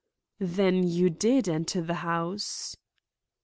"Then you did enter the house?"